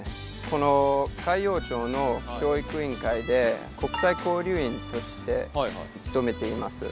この海陽町の教育委員会で国際交流員として勤めています。